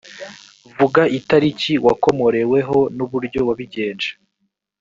vuga itariki wakomoreweho n uburyo wabigenje